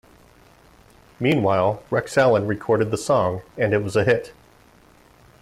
Meanwhile, Rex Allen recorded the song, and it was a hit.